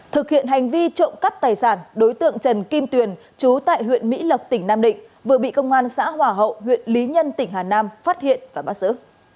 thực hiện hành vi trộm cắp tài sản đối tượng trần kim tuyền chú tại huyện mỹ lộc tỉnh nam định vừa bị công an xã hòa hậu huyện lý nhân tỉnh hà nam phát hiện và bắt giữ